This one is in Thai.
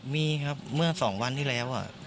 มีครับเมื่อ๒วันที่แล้ว